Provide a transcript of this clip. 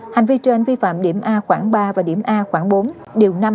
hành vi trên vi phạm điểm a khoảng ba và điểm a khoảng bốn điều năm